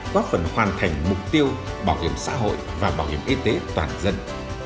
góp phần hoàn thành mục tiêu bảo hiểm xã hội và bảo hiểm y tế toàn dân